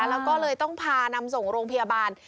แล้วก็เลยต้องพานำส่งโรงพยาบาล